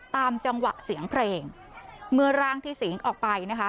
ตามจังหวะเสียงเพลงเมื่อร่างที่สิงออกไปนะคะ